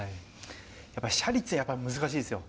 やっぱりシャリって難しいですよ。